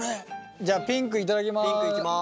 じゃあピンク頂きます。